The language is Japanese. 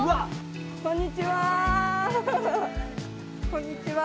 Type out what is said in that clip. こんにちは。